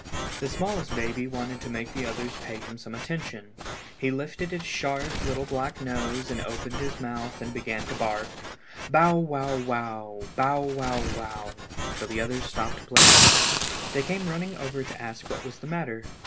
The smallest baby wanted to make the others pay him some attention. He lifted his sharp little black nose and opened his mouth and began to bark—bow wow wow, bow wow wow—till the others stopped playing. They came running over to ask what was the matter.